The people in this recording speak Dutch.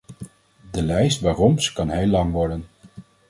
De lijst waarom's kan heel lang worden.